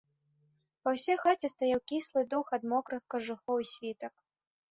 Па ўсёй хаце стаяў кіслы дух ад мокрых кажухоў і світак.